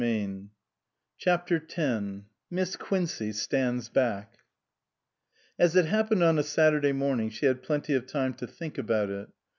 302 CHAPTER X MISS QUINCEY STANDS BACK AS it happened on a Saturday morning she had plenty of time to think about it.